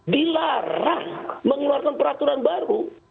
dilarang mengeluarkan peraturan baru